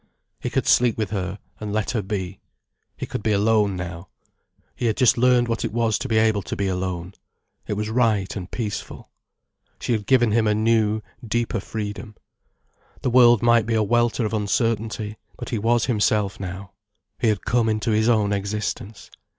He could sleep with her, and let her be. He could be alone now. He had just learned what it was to be able to be alone. It was right and peaceful. She had given him a new, deeper freedom. The world might be a welter of uncertainty, but he was himself now. He had come into his own existence.